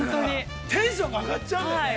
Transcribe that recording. ◆テンションが上がっちゃうんだよね。